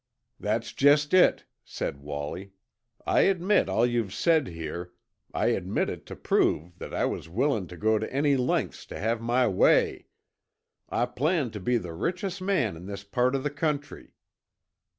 "That's just it," said Wallie. "I admit all you've said here, I admit it tuh prove that I was willin' to go to any lengths to have my way! I planned to be the richest man in this part of the country!"